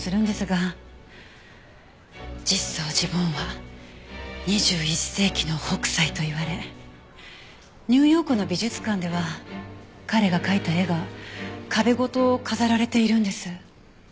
実相寺梵は２１世紀の北斎と言われニューヨークの美術館では彼が描いた絵が壁ごと飾られているんです。